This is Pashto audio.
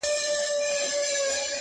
د سترگو تور مي د هغې مخته ايږدمه ځمه _